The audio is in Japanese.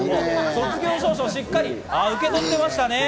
卒業証書をしっかり受け取ってましたね。